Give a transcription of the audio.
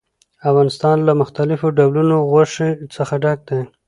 افغانستان له مختلفو ډولونو غوښې څخه ډک دی.